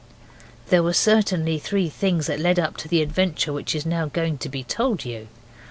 There were certainly three things that led up to the adventure which is now going to be told you.